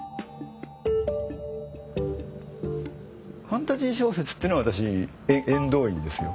ファンタジー小説っていうのは私縁遠いんですよ。